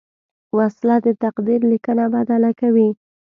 وسله د تقدیر لیکنه بدله کوي